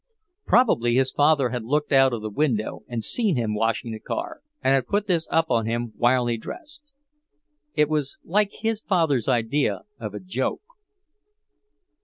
Probably his father had looked out of the window and seen him washing the car, and had put this up on him while he dressed. It was like his father's idea of a joke.